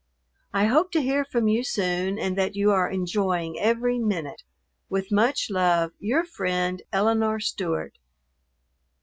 I hope to hear from you soon and that you are enjoying every minute. With much love, Your friend, ELINORE STEWART.